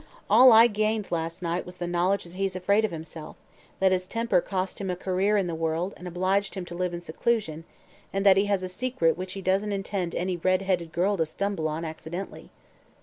All I gained last night was the knowledge that he's afraid of himself, that his temper cost him a career in the world and obliged him to live in seclusion and that he has a secret which he doesn't intend any red headed girl to stumble on accidentally."